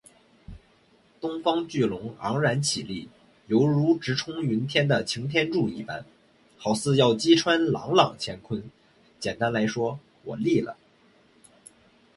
东方巨龙昂然起立，犹如直冲云天的擎天柱一般，好似要击穿朗朗乾坤，简单来说，我立了